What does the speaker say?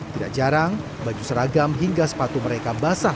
tidak jarang baju seragam hingga sepatu mereka basah